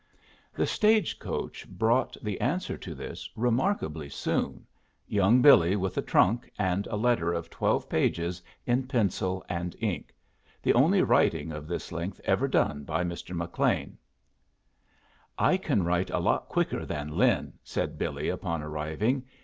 The stage coach brought the answer to this remarkably soon young Billy with a trunk and a letter of twelve pages in pencil and ink the only writing of this length ever done by Mr. McLean. "I can write a lot quicker than Lin," said Billy, upon arriving.